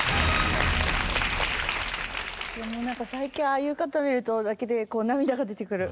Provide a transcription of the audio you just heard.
もうなんか最近ああいう方見るだけで涙が出てくる。